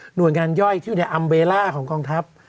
หน่วยงานย่อยที่อยู่ในอัมเบล่าของกองทัพ